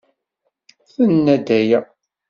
Tenna-d aya.